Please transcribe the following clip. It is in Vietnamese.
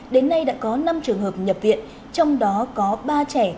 đến nay đã có năm trường hợp nhập viện trong đó có ba trẻ